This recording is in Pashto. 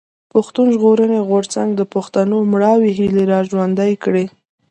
پښتون ژغورني غورځنګ د پښتنو مړاوي هيلې را ژوندۍ کړې.